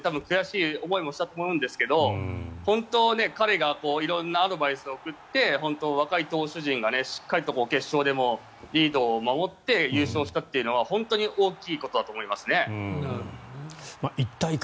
本人としては絶対に抑えたかったので多分、悔しい思いもしたと思うんですが本当に彼が色んなアドバイスを送って若い投手陣がしっかりと決勝でもリードを守って優勝したというのは本当に大きいことだと思いますね。